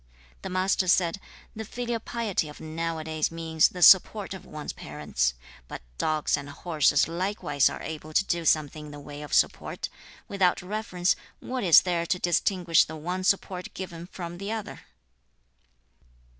The Master said, 'The filial piety of now a days means the support of one's parents. But dogs and horses likewise are able to do something in the way of support; without reverence, what is there to distinguish the one support given from the other?'